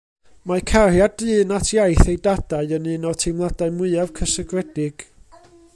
Mae cariad dyn at iaith ei dadau yn un o'r teimladau mwyaf cysegredig.